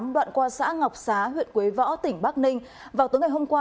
đoạn qua xã ngọc xá huyện quế võ tỉnh bắc ninh vào tối ngày hôm qua